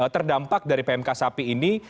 terdampak dari pmk sapi ini